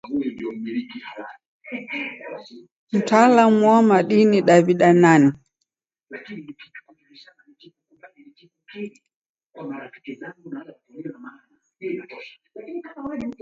Mtalamu wa madini Daw'ida nani?